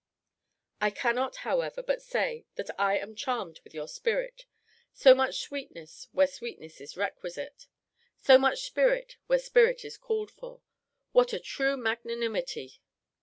I cannot, however, but say, that I am charmed with your spirit. So much sweetness, where sweetness is requisite; so much spirit, where spirit is called for what a true magnanimity!